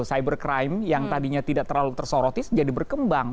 cyber crime yang tadinya tidak terlalu tersorotis jadi berkembang